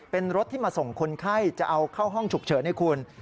เป็นรถที่มาส่งคนไข้จะเอาเข้าห้องฉุกเฉินให้คุณ